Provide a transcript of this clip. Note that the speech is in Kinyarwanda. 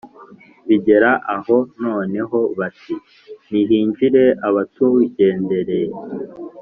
bigera aho, noneho bati: ‘nihinjire abatugendereye.’